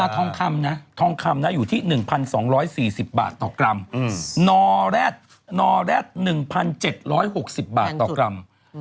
ส่วนคุณตูนค่ะ